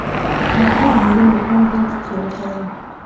د خولې د مینځلو لپاره باید څه شی وکاروم؟